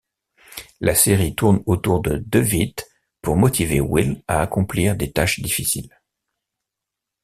La série tourne autour de Dewitt pour motiver Will à accomplir des tâches difficiles.